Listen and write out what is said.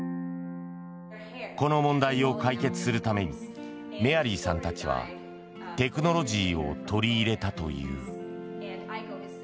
この問題を解決するためにメアリーさんたちはテクノロジーを取り入れたという。